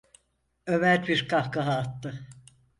Ömer bir kahkaha attı: